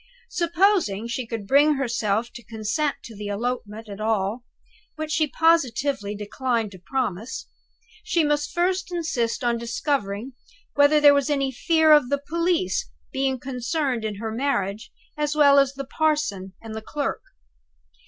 Supposing she could bring herself to consent to the elopement at all which she positively declined to promise she must first insist on discovering whether there was any fear of the police being concerned in her marriage as well as the parson and the clerk.